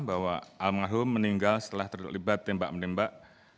bahwa almarhum meninggal setelah terlibat tembak menembak